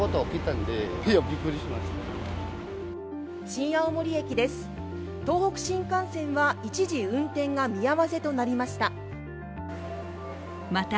新青森駅です、東北新幹線は一時、運転が見合わせとなりました